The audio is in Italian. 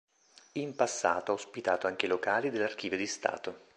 In passato ha ospitato anche i locali dell'Archivio di Stato.